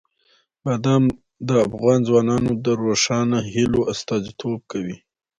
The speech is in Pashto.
بادام د افغان ځوانانو د روښانه هیلو استازیتوب کوي.